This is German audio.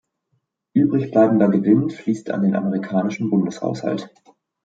Übrig bleibender Gewinn fließt an den amerikanischen Bundeshaushalt.